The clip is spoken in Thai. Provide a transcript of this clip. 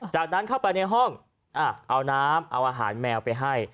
จากนั้นเข้าไปในห้องเอาน้ำเอาอาหารแมวไปให้